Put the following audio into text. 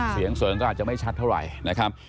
เสียงเสริงก็อาจจะไม่ชัดเท่าไหร่นะครับ